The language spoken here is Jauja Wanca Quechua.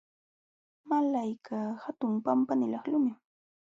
Malaykaq hatun pampanilaq lumim.